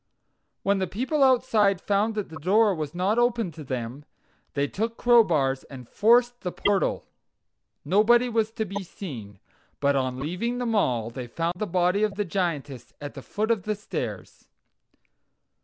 When the people outside found that the door was not opened to them, they took crowbars and forced the portal. Nobody was to be seen, but on leaving the mall they found the body of the Giantess at the foot of the stairs.